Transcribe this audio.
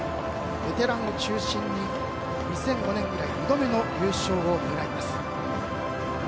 ベテランを中心に２００５年以来２度目の優勝を狙います。